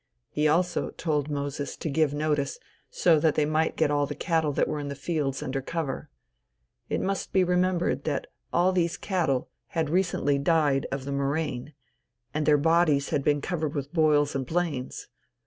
He also told Moses to give notice, so that they might get all the cattle that were in the fields under cover. It must be remembered that all these cattle had recently died of the murrain, and their dead bodies had been covered with boils and blains.